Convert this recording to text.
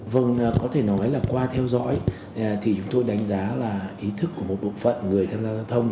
vâng có thể nói là qua theo dõi thì chúng tôi đánh giá là ý thức của một bộ phận người tham gia giao thông